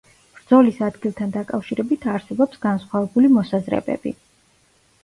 ბრძოლის ადგილთან დაკავშირებით არსებობს განსხვავებული მოსაზრებები.